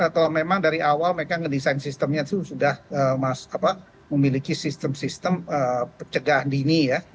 atau memang dari awal mereka ngedesain sistemnya itu sudah memiliki sistem sistem pencegahan dini ya